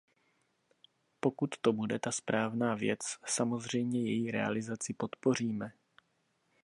Pokud to bude ta správná věc, samozřejmě její realizaci podpoříme.